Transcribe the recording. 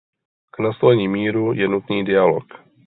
K nastolení míru je nutný dialog.